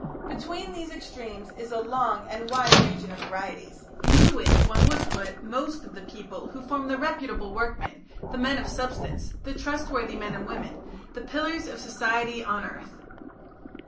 Between these extremes is a long and wide region of varieties, into which one would put most of the people who form the reputable workmen, the men of substance, the trustworthy men and women, the pillars of society on earth.